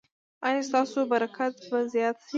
ایا ستاسو برکت به زیات شي؟